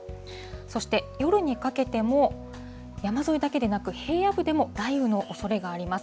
そして夜にかけても、山沿いだけでなく、平野部でも雷雨のおそれがあります。